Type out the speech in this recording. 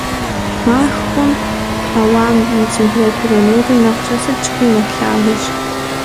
Махуэм хьэуам и температура нолым нэхърэ сыт щыгъуи нэхъ лъагэщ.